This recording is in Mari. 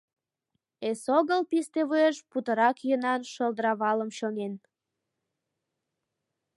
Эсогыл писте вуеш путырак йӧнан шӧлдыравалым чоҥен.